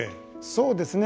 そうですね。